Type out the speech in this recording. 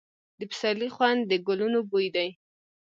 د پسرلي خوند د ګلونو بوی دی.